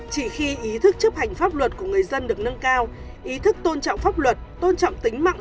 chỉ khi ý thức chấp hành pháp luật của người dân được nâng cao ý thức tôn trọng pháp luật tôn trọng tính mạng